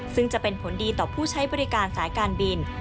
ซึ่งจะเป็นผลดีต่อผู้ใช้บริการสายการบิน